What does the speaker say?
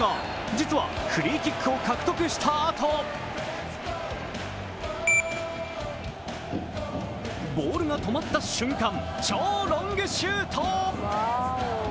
実は、フリーキックを獲得したあとボールが止まった瞬間、超ロングシュート。